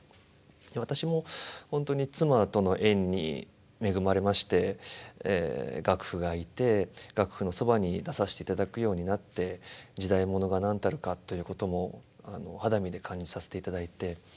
で私も本当に妻との縁に恵まれまして岳父がいて岳父のそばに出させていただくようになって時代物が何たるかということも肌身で感じさせていただいて。